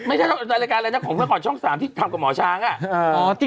ในรายการอะไรนะของเมื่อก่อนช่อง๓ที่ทำกับหมอช้างอ่ะ